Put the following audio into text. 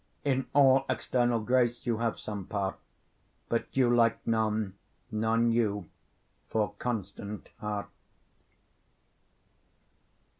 In all external grace you have some part, But you like none, none you, for constant heart.